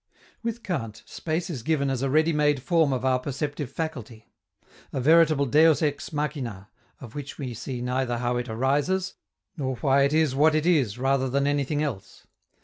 With Kant, space is given as a ready made form of our perceptive faculty a veritable deus ex machina, of which we see neither how it arises, nor why it is what it is rather than anything else.